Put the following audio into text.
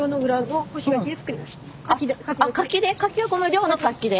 柿をこの寮の柿で？